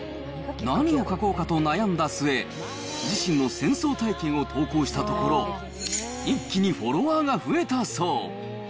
何を書こうかと悩んだ末、自身の戦争体験を投稿したところ、一気にフォロワーが増えたそう。